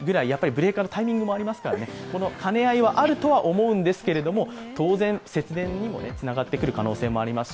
ブレーカーのタイミングもありますからこの兼ね合いはあるとは思うんですけれども、当然節電にもつながってくる可能性もあります